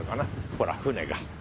ほら船が。